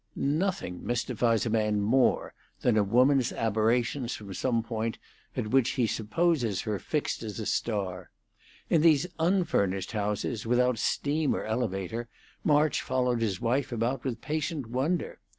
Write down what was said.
Nothing mystifies a man more than a woman's aberrations from some point at which he supposes her fixed as a star. In these unfurnished houses, without steam or elevator, March followed his wife about with patient wonder.